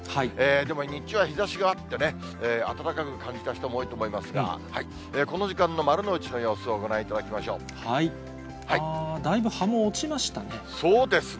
でも日中は日ざしがあって、暖かく感じた人も多いと思いますが、この時間の丸の内の様子をごだいぶ葉も落ちましたね。